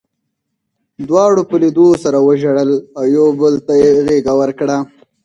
دواړو په لیدو سره وژړل او یو بل ته یې غېږه ورکړه